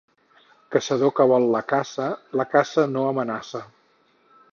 Caçador que vol la caça, la caça no amenaça.